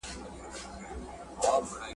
د دوی د پیدایښت سره تړلې ده !.